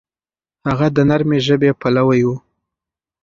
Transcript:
هغه د نرمې ژبې پلوی و.